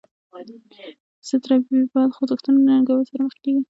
ضد لیبرال خوځښتونه له ننګونې سره مخ کیږي.